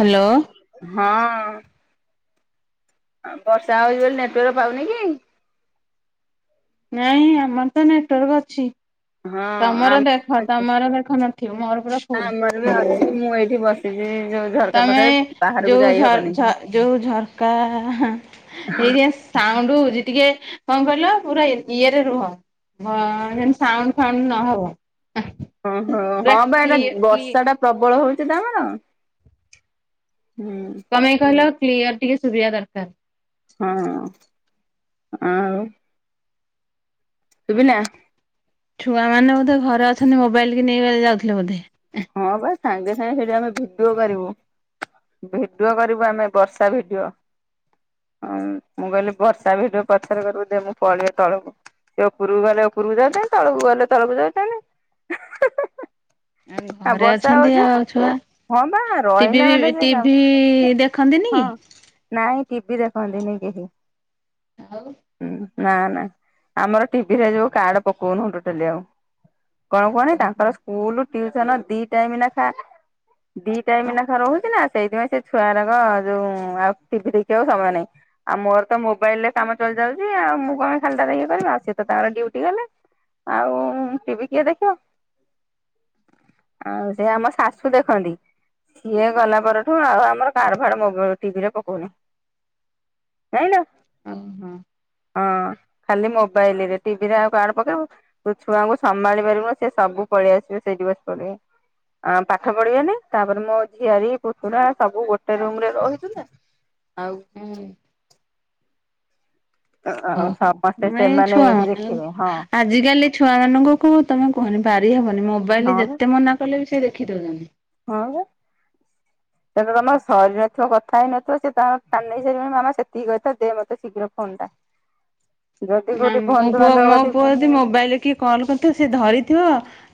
Hello. ହଁ ଅଁ ବର୍ଷା ହଉଛି ବୋଲି ନେଟୱାର୍କ ପାଉନି କି? ନାଇଁ ଆମର ତ ନେଟୱାର୍କ ଅଛି। ହଁ ତମର ଆମ ଦେଖ ତମର ଦେଖ ନଥିବ ମୋର ପା ଫୁଲ। ଆମର ବି ଅଛି ମୁଁ ଏଇଠି ବସିଛି ଯୋଉ ଝରକା ତମେ ପାଖରେ ବାହାରକୁ ଯାଇ ହବନି ଯୋଉଝଝ ଯୋଉ ଝରକା ହେଇଆସ ସାଉଣ୍ଡ ହଉଛି ଟିକେ କଅଁ କହିଲ ପୁରା ଇଏ ରେ ରୁହ ଭ ଯେନ୍ରି ସାଉଣ୍ଡ ସାଉଣ୍ଡ ନହବ। ଓହୋ ହଁ ପୁରା ବା ଏଟା କ୍ଲିୟ କ୍ଲି ବର୍ଷା ଟା ପ୍ରବଳ ହଉଛି ତ ଆମର ହୁଁ। କଅଁ ପାଇଁ କହିଲ କ୍ଲିୟର ଟିକେ ଶୁଭିବା ଦରକାର। ହଁ ଆଉ ଶୁଭିଲା? ଛୁଆମାନେ ବୋଧେ ଘରେ ଅଛନ୍ତି ମୋବାଇଲି କୁ ନେଇ ଇ ଯାଉଥିଲେ ବୋଧେ? ହଁ ବା ସାଙ୍ଗେ ସାଙ୍ଗେ ସେଠି ଆମେ ଭିଡିଓ କରିବୁ। ଭିଡିଓ କରିବୁ ଆମେ ବର୍ଷା ଭିଡିଓ। ହଁ ମୁଁ କହିଲି ବର୍ଷା ଭିଡ଼ିଓ ପଛରେ କରିବି ଦେ ମୁଁ ପଳାଏ ତଳକୁ। ସେ ଉପରକୁ ଗଲେ ଉପରକୁ ଯାଉଛନ୍ତି ତଳକୁ ଗଲେ ତଳକୁ ଯାଉଚନ୍ତି। ଘରେ ଅଛନ୍ତି ଆଉ ଆଉ ଛୁଆ। ହଁ ବା ଟିଭି ରହିଲା ମାନେ ଫିବି ସେ କା ଟିଭି ଦେଖନ୍ତିନି କି? ହଁ। ନାଇଁ ଟିଭିି ଦେଖନ୍ତିନି କେହି। ଆଉ ହୁଁ ନା ନା ଆମର ଟିଭି ରେ ଯଉ କାର୍ଡ ପକଉନୁ ଟୋଟାଲି ଆଉ। କଣ କୁହନି ତାଙ୍କର ସ୍କୁଲ ଟିୟୁସୁନ ଦି ଟାଇମ ନାଖା। ଦି ଟାଇମ ନାଖ ରହୁଛି ନା ସେଇଥିପାଇଁ ସେ ଛୁଆରକ ଯୋଉ ଆଉ ଟିଭି ଦେଖିବାକୁ ସମୟ ନାହିଁ। ଆଉ ମୋର ତ ମୋବାଇଲ ରେ କାମ ଚଲି ଯାଉଛି ଆଉ ମୁଁ କଣ ଖାଲିଟାରେ ଇଏ କରିବି ଆଉ ସିଏ ତ ତାଙ୍କର ଡିୟୁଟି ଗଲା। ଆଉ ଟିଭିି କିଏ ଦେଖିବ? ଆଉ ସେ ଆମ ଶାଶୁ ଦେଖନ୍ତି। ସିଏ ଗଲା ପରଠୁ ଆଉ ଆମର କାଡ ଫାଡ ମୋ ଟିଭିରେ ପକଉନି। [unintelligible] ଓହୋ। ହଁ ଖାଲି ମୋବାଇଲ ରେ ଟିଭିରେ ଆଉ କାଡ ପକେଇବୁ। ତୁ ଛୁଆଙ୍କୁ ସମାଳି ପାରିବୁନୁ ସେ ସବୁ ପଳେଇ ଆସିବେ ସେଇଟି ବସି ପଡ଼ିବେ। ଆ ପାଠ ପଢିବେନି ତାପରେ ମୋ ଝିଆରୀ ପୁତୁରା ସବୁ ଗୋଟେ ରୁମ ରେ ରହିଥିଲେ। ଆଉ ହୁଁ। ଆଉ ଓହୋ ସମସ୍ତେ [inaudible] ସେମାନେ ଛୁଆ ଦେଖିବେ ହଁ ଆଜିକାଲି ଛୁଆ ମାନଙ୍କୁ କୁ ତମେ କୁହନି ପାରି ହବନି ମୋବାଇଲ ନହେଲେ ଯେତେ ମନା କଲେ ବି ସେ ଦେଖି ଦଉଛନ୍ତି। ହଁ ବା [unintelligible] ସେ ତମର ସରୀ ନଥିବ କଥା ହେଇନଥିବ ସେ ତାଙ୍କର ଟାଣିନେଇ ସାରିବଣି ମାମା ସେତିକି କହିଥା ଦେ ମୋତେ ଶୀଘ୍ର ଫୋନ ଟା। ଯଦି ନା କୋଉଠି ମୋ ପୁଅ ବନ୍ଧୁବାନ୍ଧବ ମୋ କତିକି ପୁଅ ଯଦି ମୋବାଇଲି କି କଲ୍ କରିଥିବ ସେ ଧରିଥିବ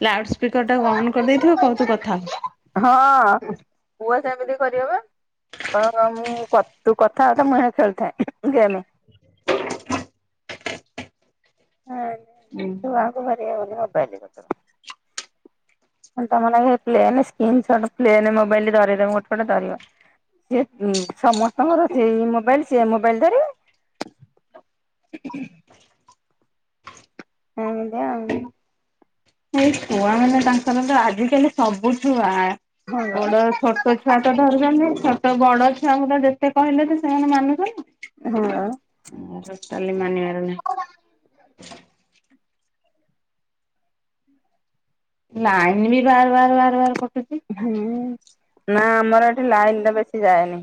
ଲାଉଡ ସ୍ପିକର ଟାକୁ ଅନ୍ କରିଦେଇଥିବ କହିବ ତୁ କଥା ହ। ହଁ ପୁଅ ସେମିତି କରିବ ବା। ହଁ ମୁଁ ତୁ କଥା ହତା ମୁହଁ ଖେଳିୁଥାଏ ଗେମ। ହଁ। ହୁଁ। ଛୁଆଙ୍କୁ ପାରି ହବନି ମୋବାଇଲୀ [inaudible] ତମ ଲାକ୍ଷେ ପ୍ଲେନ ସ୍କ୍ରିନିଷଟ ପ୍ଲେନ୍ ମୋବାଇଲ ଧାରେଇ ଦବ ଗୋଟେ ଗୋଟେ ଧରିବ। ଯିଏ ସମସ୍ତଙ୍କର ସେଇ ମୋବାଇଲି ସେ ଏଇ ମୋବାଇଲ ଧରିବେ? [unintelligible] ଏମିତି ଆଉ ଏଇ ଛୁଆ ମାନେ ତାଙ୍କର ତ ଆଜିକାଲି ସବୁଛୁଆ ହଁ ବଡ ଛୋ ତୋ ଛୁଆ ତ ଧରୁଛନ୍ତି ଛୋଟ ବଡ ଛୁଆ ଙ୍କୁ ଯେତେ କହିଲେ ତ ସେମାନେ ମାନୁଛନ୍ତି? ହଁ ବା। ଟୋଟଲି ମାନିବାର ନାହିଁ। [unintelligible] ଲାଇନିବି ବାର ବାର ବାର ବାର କଟୁଚି। ହୁଁ ନା ଆମର ଏଠି ଲାଇନଟା ବେଶି ଯାଏନି।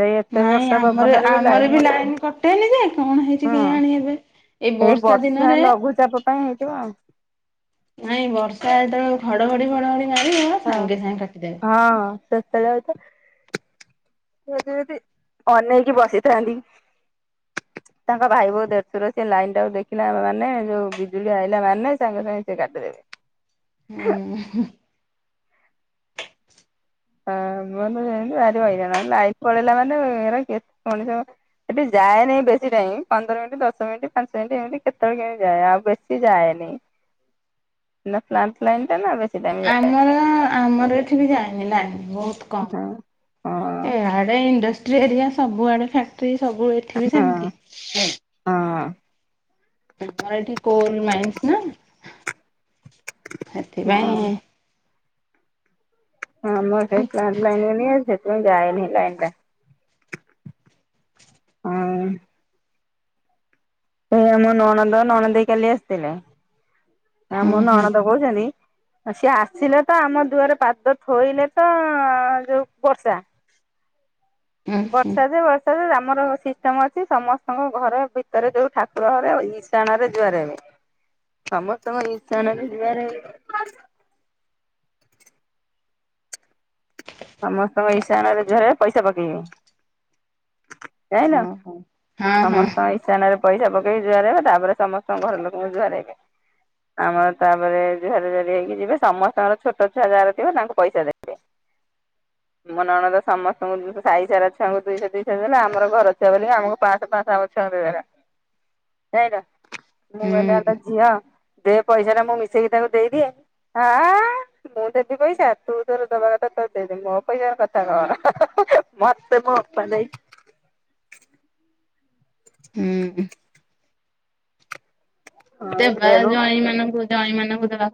ସେଇ ଏତେ ନାଇଁ ବର୍ଷା ଆମର ପବନରେବି ଆମର ଲାଇନ୍ ବି ଅଛି ଲାଇନ କଟେନି ଯେ କଣ ହେଇଛି ହଁ। କେଜାଣି ଏବେ। ଏଇ ବର୍ଷା ଲଘୁଚାପ ପାଇଁ ହେଇଥିବ ଆଉ। ନାଇଁ ବର୍ଷା ଯେତେବେଳେ ଘଡ଼ଘଡ଼ି ଫଡ଼ଘଡ଼ି ମାରିବ ହଁ ସାଙ୍ଗେ ସାଙ୍ଗେ କାଟିଦେବେ। ହଁ ସେ ଯେତେବେଳେ ଆଉଚେ ମତେଯଦି ଅନେଇକି ବସିଥାନ୍ତି। [inaudible] ତାଙ୍କ ଭାଇ ବୋଉ ଦେଢସୁର ସେଲାଇନ୍ ଟାକୁ ଦେଖିଲା ମାନେ ଯୋଉ ବିଜୁଳି ଆଇଲା ମାନେ ସାଙ୍ଗେ ସାଙ୍ଗେ ସିଏ କାଟିଦେବେ। ଉଁ ହୁ ହୁ। ଆମର ସେମିତି ଭାରି ହଇରାଣ ଲାଇନ୍ ପଲେଇଲା ମାନେ ଏରା କେତେ ମଣିଷ ଏଠି ଯାଏନିଁ ବେଶୀ ଟାଇମ୍ ପନ୍ଦର ମିନିଟ୍ ଦଶ ମିନିଟ୍ ପାଞ୍ଚ ମିନିଟ୍ ଏମିତି କେତେବେଳେ କେମି ଯାଏ ଆଉ ବେଶୀ ଯାଏନେଇ। [inaudible] ଏଇନା ଫ୍ଲାଣ୍ଟ ଲାଇନ୍ ଟାନା ବେଶୀ ଟାଇମ୍ ଯାଉ ଆମୁ ଆମର ଏଠିବି ଜାଏନି ଲାଇନ୍ ବହୁତ୍ କମ୍। ହଁ। ହଁ ଏଇଆଡ଼େ ଇଣ୍ଡିଷ୍ର୍ଟ ଏରିଆ ସବୁଆଡ଼େ ଫ୍ୟାକ୍ଟିର୍ ସବୁ ଏଠିବି ହଁ ସେମତି। ହଁ। ଆମର ଏଠି କୋଲ୍ ମାଇସ୍ଇନା ହଁ। ସେଥିପାଇଁ ଆମର ଏଠି ପ୍ଲାଡ୍ଲାଇନ୍ ଏରିଆ ସେଥି ଯାଏନି ଲାଇନଟା ହଁ। ଏଇ ଆମ ନଣନ୍ଦ ନଣ ଦେଇ କାଲି ଆସିଥିଲେ ହୁଁ ଆମ ହୁଁ ନଣନ୍ଦ କହୁଚନ୍ତି? ସିଏ ଆସିଲେତ ଆମ ଦୁଆରେ ପାଦ ଥୋଇଲେତ ଯୋଉ ବର୍ଷା। ହୁଁ ହୁଁ। ବର୍ଷା ଯେ ବ ଆମର ସିଷ୍ଟମ ଅଛି ସମସ୍ତଙ୍କ ଘର ଭିତରେ ଯୋଉ ଠାକୁର ଘରେ ଇଶାଣରେ ଜୁହାର ହେବେ ସମମସ୍ତଙ୍କ ଇସାଣରେ ଜୁହାର ହେଇ ସମସ୍ତଙ୍କ ଇସ ଇସାଣରେ ଜୁହାରହେ ପଇସା ପକେଇବି ଜାଇିଲ ଓହୋ। ହଁ ହଁ ସମସ୍ତଙ୍କଇ ଇସାଣରେ ପଇସା ପକେଇ ଯୁଆର ହେବେ ତାପରେ ସମସ୍ତଙ୍କ ଘର ଲୋକଙ୍କୁ ଜୁଆର ହେଇକି ଆମର ତାପରେ ଯୁହାର ଯାରି ହେଇକି ଯିବେ ସମସ୍ତଙ୍କର ଛୋଟ ଛୁଆ ଯାହାର ଥିବ ତାଙ୍କୁ ପଇସା ଦେବେ। ମୋ ନଣଦ ସମସ୍ତଙ୍କୁ ସାହି ସାରା ଛୁଆଙ୍କୁ ଦୁଇଶହ ଦୁଇଶହ ଦେଲେ ଆମର ଘର ଛୁଆ ବୋଲି ଆମକୁ ପାଞ୍ଚଶହ ପାଞ୍ଚଶହ ଛୁଆଙ୍କୁ ଦେଇଦେଲା। [inaudible] ଜାଇଲ ମୁଁ ହୁଁ କହିଲି ଆଲୋ ଝିଅ ଦେଏ ପଇସାଟା ମୁଁ ମିଶେଇକି ତାକୁ ଦେଇଦିଏ ଆଁ ମୁଁଦେବି ପଇସା ତୁତୋର ଦବା କଥା ତର୍ ଦେଇଦେ ମୋ ପଇସାରେ କଥାକହନା ମତେ ମୋଅପା ଦେଇଚି ହୁଁ। ଆଉ ଦେବା ରେଣୁ ଜଇଁ ମାନଙ୍କୁ ଜଇଁ ମାନଙ୍କୁ ଦବା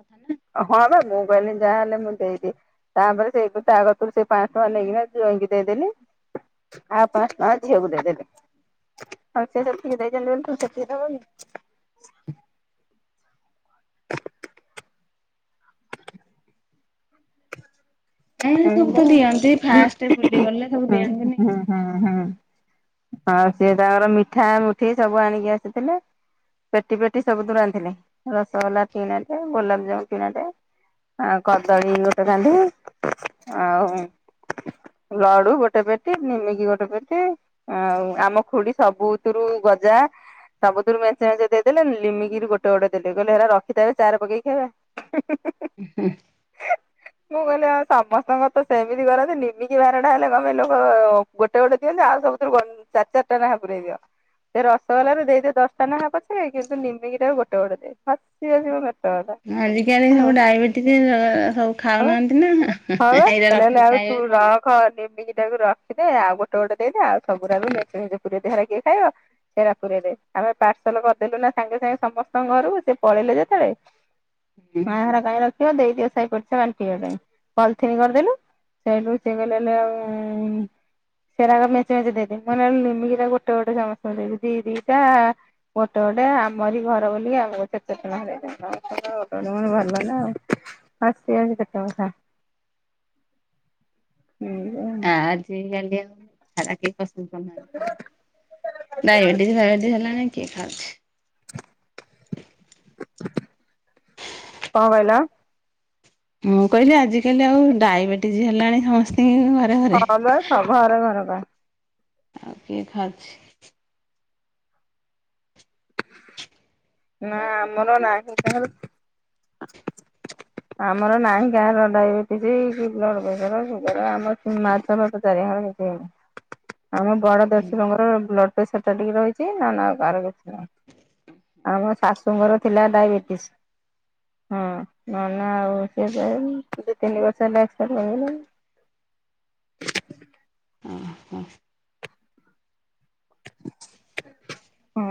ହଁପା ମୁଁ କହିଲି ଯାହାହଲେ ମୁଁ ଦେଇଦିଏ। ତାପରେ ସେଇ ତାକତୁରୁ ସେପାଞ୍ଚଶହ ଟଙ୍କା ନେଇକିନା ଜଇଁକି ଦେଇଦେଲି ଆଉ ପାଞ୍ଚଶହ ଟଙ୍କା ଝିଅକୁ ଦେଇ ଦେଲେ। ଆଉ ସିଏ ଯେତିକି ଦେଇଛନ୍ତି ବୋଲି ତୁମେ ସେତିକି ଦବକି। ଏ ସବୁ ଏମିତିଆଉ ତ ଦିଅନ୍ତି ହୁଁ ଫାଷ୍ଟ ବୁଲିଗଲେ ସବୁ ହୁଁ ଦିଅନ୍ତିନି କି? ହୁଁ ହୁଁ। ହଁ ସିଏ ତାଙ୍କର ମିଠା ମୁଠି ସବୁ ଆଣିକି ଆସିଥିଲେ। ପେଟି ପେଟି ସବୁ ସବୁଥିରୁ ଆଣିଥିଲେ ରସଗୋଲା ଟିଣାଟେ ଗୋଲାପଜାମୁ ଟିଣାଟେ ଆଉ କଦଳୀ ଗୋଟେ କାଧୀ ଆଉ ଲଡ଼ୁ ଗୋଟେ ପେଟି ନିମିକି ଗୋଟେ ପେଟି ଆଉ ଆମ ଖୁଡି ସବୁଥିରୁ ଗଜା ସବୁଥିରୁ ମେଞ୍ଚେ ମେଞ୍ଚେ ଦେଇଦେଲେ ଲିମିକିରି ଗୋଟେ ଗୋଟେ ଦେଲେ କହିଲେ ହେରା ରଖିଥାନା ଚା ରେ ପକେଇ ଖାଇବା। ହୁଁ ହୁଁ ହୁଁ ହୁଁ। ଉଁ ହୁଁ। ମୁଁ କହିଲି ଆଉ ସମସ୍ତଙ୍କର ତ ସେମିତି କରନ୍ତି ନିମିକି ଭାରଟା ହେଲେ କଣ ପାଇଁ ଲୋକ ଗୋଟେ ଗୋଟେ ଦିଅନ୍ତି ଆଉ ସବୁଥିରୁ ଗ ଚାର ଚାରଟା ନେଖା ପୁରେଇ ଦିଅନ୍ତି। ସେ ରସଗୋଲା ରେ ଦେଇଦେବେ ଦଶଟା ନେଖା ପଛେ କିନ୍ତୁ ନିମିକି ଟାକୁ ଗୋଟେ ଗୋଟେ ଦେବେ ହସି ହସି ମୋ ପେ ଆଜିକାଲି ସବୁ ଡାଇବେଟିସ୍ ସ ସବୁ ହଁ ଖାଉନାହାଁନ୍ତି ନା ହେଁ ହେଁ ଏଇରା ରଖି ଖାଇବେ। କ ନିମିକି ଟାକୁ ରଖିଦେବେ ଆଉ ଗୋଟେ ଗୋଟେ ଦେଇଦେବେ ଆଉ ସବୁ ରାରୁ ମେଞ୍ଚେ ମେଞ୍ଚେ ପୁରେଇ ଦେ ହେରା କିଏ ଖାଇବ। ସେରା ପୁରେଇ ଦେ ଆମେ ପାର୍ସଲ କରିଦେଲୁ ନା ସାଙ୍ଗେ ସାଙ୍ଗେ ସମସ୍ତଙ୍କ ଘରୁକୁ ସେ ପଳେଇଲେ ଯେତେବେଳେ। ହଁ ସେରା କାଇଁ ରଖିବ ଦେଇଦିଅ ସାଇପଡି ଶା ବାଣ୍ଟିବା ପାଇଁ ପଲିଥିନ କରିଦେଲୁ ସେଇଟୁ ସିଏ ବି ନେଲେ ଆଉ ଉଁ ସେରାକ ମେଞ୍ଚେ ମେଞ୍ଚେ ଦେଇ ଦେ ମୁଁ କହିଲି ନହେଲେ ଲିମିକି ଟା ଗୋଟେ ଗୋଟେ ସମସ୍ତଙ୍କୁ ଦେଇଚି ଦି ଦିଟା। ଗୋଟେ ଗୋଟେ ଆମରି ଘର ବୋଲିକି ଆମକୁ ଚାର ଚାରଟା ଲେଖା ଦେଇ ଥିଲେ ଆଉ ସମସ୍ତଙ୍କୁ ଗୋଟେ ଗୋଟେ ଦଉଚନ୍ତି ଭଲ ନା ଆଉ। ସେୟା ବି ସତ କଥା ହୁଁ ଏଆ ଆଜିକାଲି ଆଉ ଖା ଆଉ କି କସ ଡାଇବେଟିସ୍ ଫାଇବେଟିସ୍ ହେଲାଣି କିଏ ଖାଉଚି। କଣ କହିଲ? ମୁଁ କହିଲି ଆଜିକାଲି ଆଉ ଡାଇବେଟିଜ ବି ହେଲାଣି ସମସ୍ତିଙ୍କି ହଁ ବା ସ ଘରେ ଘର ବା। ଆଉ କିଏ ଖାଉଚି। ନା ଆମର ନାହିଁ କାହାର। ଆମର ନାହିଁ କାହାର ଡାଇବେଟିସ୍ କି ବ୍ଲଡ ପ୍ରେସର ସୁଗାର ଆମ ଏପଟେ ମାଛ ଫାଛ ଚାରି [unintelligible] କିଛି ହେଇନି। ଆମ ବଡ ଦେଢଶୁରଙ୍କର ବ୍ଲଡ ପ୍ରେସର ଟା ଟିକେ ରହିଚି ନା ନା ଆଉ କାହାର କିଛି ନାହିଁ। ଆମ ଶାଶୁଙ୍କର ଥିଲା ଡାଇବେଟିସ୍ ହଁ। ନନା ଆଉ ସିଏ [unintelligible] ଦି ତିନି ବର୍ଷ ହେଲା ଏକ୍ସପାଡ୍ କରିଗଲେଣି। ଅଁ ହଁ। ହଁ।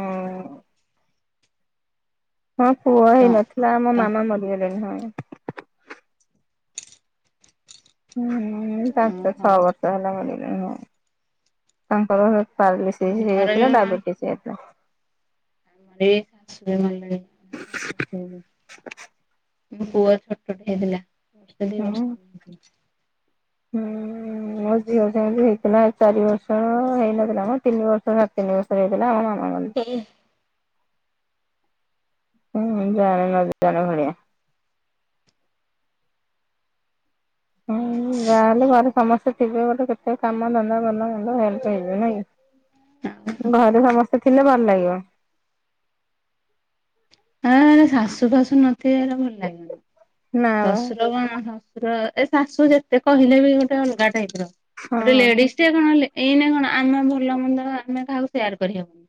ହଁ ପୁଅ ତ ହେଇନଥିଲା ଆମ ତ ମାମା ମରିଗଲେଣି ହଁ। ହୁଁ ପାଞ୍ଚ ଓହୋ। ଛଅ ବର୍ଷ ହେଲା ମରିଗଲେଣି ହଁ ତାଙ୍କର ପାରାଲିସିସ୍ ଆମର ବି ହେଇଯାଇଥିଲା ଡାଇବେଟିସ୍ ହେଇଯାଇଥିଲା। ଆମର ବି ଶଶୁର ମରିଗଲେଣି [unintelligible] ମୋ ପୁଅ ଛୋଟ ଟେ ହେଇଥିଲା ବର୍ଷେ ଦି ବର୍ଷର ହେଇଥିଲା। ହଁ। ମୋ ଝିଅ ସେମିତି ହେଇଥିଲା ଚାରି ବର୍ଷର ହେଇନଥିଲା ମ ତିନି ବର୍ଷ ସାଡ୍ ତିନି ବର୍ଷର ହେଇଥିଲା ଆମ ମାମା ଗଲେ। ହୁଁ। ହୁଁ ଜାଣି ନ ଜାଣିଲା ଭଳିଆ। ହୁଁ ଯାହାହେଲେ ଘରେ ସମସ୍ତେ ଥିବେ ଗୋଟେ କେତେ କାମ ଧନ୍ଦା ଭଲ ମନ୍ଦ ହେଲ୍ପ ହେଇଯିବେ ନାଇଁ କି। ଆଉ ଘରେ ସମସ୍ତେ ଥିଲେ ଭଲ ଲାଗିବ। ହେ ଶାଶୁ ଫାଶୁ ନ ଥିବେ ଏଇରା ଭଲ ଲାଗିବନି। ନା ବା ଶଶୁର କଣ ଶଶୁର ଏ ଶାଶୁ ଯେତେ କହିଲେ ବି ଗୋଟେ ଅଲଗା ଟାଏ ହେଇଥିବ। ଗୋଟେ ହଁ ଲେଡିସ୍ ଟେ କଣ ଲେ ଏଇନେ କଣ ଆମେ ଭଲ ମନ୍ଦ ଆମେ କାହାକୁ ସେୟାର କରି ହବନି।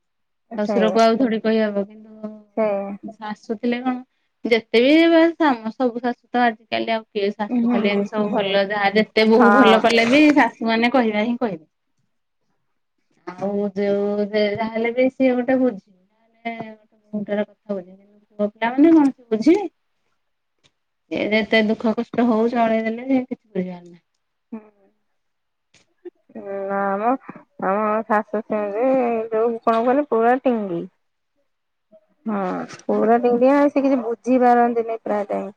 ଶଶୁର କୁ ଆଉ ଥୋଡି କହି ହବ କିନ୍ତୁ ହୁଁ। ଶାଶୁ ଥିଲେ କଣ ଯେତେ ବି ବା କାମ ସବୁ ଶାଶୁ ତ ଆଜିକାଲି ଆଉ କି ଶାଶୁ ହୁଁ ଖାଲି ଏମିତି ସବୁ ହୁଁ। ଭଲ ଯାହା ଯେତେ ବୋହୁ ହଁ ଭଲ କଲେ ବି ଶାଶୁ ମାନେ କହିବା ହିଁ କହିବେ। ଆଉ ଯୋଉ ସେ ଯାହେଲେ ବି ସିଏ ଗୋଟେ ବୁଝି [unintelligible] କଣ ସେ ବୁଝିବେ। ଏ ଯେତେ ଦୁଃଖ କଷ୍ଟ ହଉ ଚଳେଇ ଦେଲେ ସେ କିଛି ବୁଝିିବାର ନାହିଁ। ହୁଁ ହଁ ନା ମ। ଆମ ଶାଶୁ ସେମିତି ଯୋଉ କଣ କହିଲେ ପୁରା ଟିଙ୍ଗି। ହଁ ପୁରା ଟଙ୍ଗିଟିଆ ସେ କିଛି ବୁଝି ପାରନ୍ତିନି ପ୍ରାୟେ ଟାଇମ୍।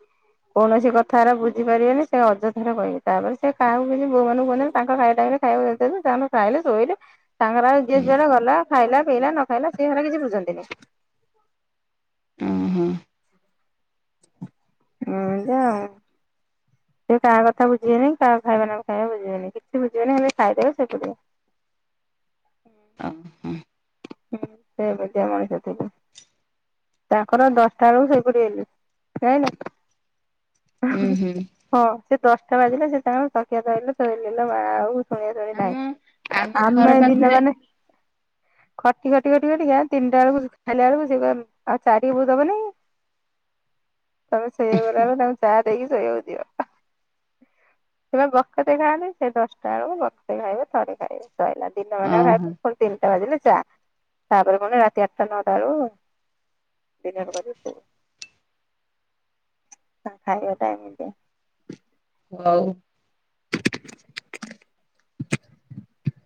କୌଣସି କଥାଅରା ବୁଝିପାରିବେନି ସେ ଅଯଥାରେ କହିବେ ତାପରେ ସେ କାହାକୁ କିଛି ବୋଉ ମାନଙ୍କୁ କୁହନ୍ତି ଆମେ ତାଙ୍କ ଖାଇବା ଟାଇମ୍ ରେ ଖାଇବାକୁ ଦେଇଦେଲେ ତାନେ ଖାଇଲେ ଶୋଇଲେ। ତାଙ୍ଗର ଆଉ ଯିଏ ଯୁଆଡେ ଗଲା ଖାଇଲା ପିଇଲା ନ ଖାଇଲା ସେ ହେରା କିଛି ବୁଝନ୍ତିନି। ଉଁହୁ। ଏମିତି ଆଉ। ସେ କାହା କଥା ବୁଝିବେନି କାହା ଖାଇବା ନ ଖାଇବା ବୁଝିବେନି କିଛି ବୁଝିବେନି ଖାଲି ଖାଇଦେଵେ ସୋଇ ପଡିବେ। ଅ ହୁଁ। ହୁଁ ସେ ଏମିତିଆ ମଣିଷ ଥିଲେ। ତାଙ୍କର ଦଶଟା ବେଳକୁ ସୋଇପଡିଵେ ହେଲେ ଯାଇଁ ଉୁଁ ଲୁ। ହୁଁ ହଁ ସେ ଦଶଟା ବାଜିଲେ ସେ ତାଙ୍କ ତକିଆ ଧଇଲେ ଶୋଇଲେ ଲୋ ମା ଆଉ ଶୁଣିଆ ଶୁଣି ଆମ ଆମ ନାହିଁ ଘର ଆମେ ଦିନ ପାଖରେ ମାନେ ଖଟି ଖଟି ଖଟି ଖଟିିକା ତିନିଟା ବେଳକୁ ଖାଇଲା ବେଳକୁ ସେ କହିବେ ଆଉ ଚା ଟିକେ ବୋଉ ଦବନେଇ କି ତମେ ଶୋଇଆକୁ ଗଲାବେଳୁ କୁ ତାଙ୍କୁ ଚାଆ ଦେଇକି ଶୋଇବାକୁ ଯିବ। ସେ ବା ବକତେ ଖାଆନ୍ତି ସେ ଦଶଟା ବେଳକୁ ବକ୍ତେ ଖାଇବେ ଥରେ ଖାଇବେ। ସଇଲା ଦିନ ମାନ ଭାତ ଓହୋ ପୁଣି ତିନି ଟା ବାଜିଲେ ଚା ତାପରେ ପୁଣି ରାତି ଆଠଟା ନଅଟା ବେଳକୁ [unintelligible] ତାଙ୍କ ଖାଇବା ଟାଇମ ଟା। ହଉ [inaudible]